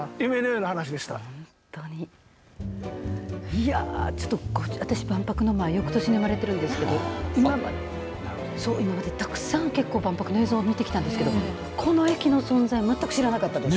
いや、ちょっと私、万博もよくとしに生まれてるんですけど今までたくさん結構万博の映像を見てきたんですけどこの駅の存在全く知らなかったです。